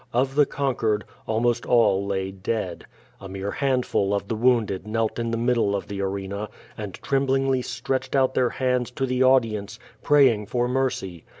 Of the con quered, almost all lay dead. A mere handful of the wounded knelt in the middle of the arena, and tremblingly stretched out their hands to the audience, praying for mercy.